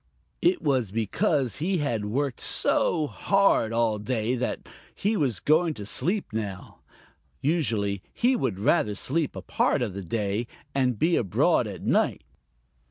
It was because he had worked so hard all day that he was going to sleep now. Usually he would rather sleep a part of the day and be abroad at night.